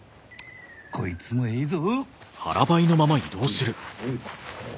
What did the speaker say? こいつもえいぞ！